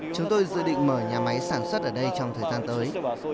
chúng tôi dự định mở nhà máy sản xuất ở đây trong thời gian tới